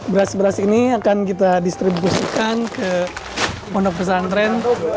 beras beras ini akan kita distribusikan ke pondok pesantren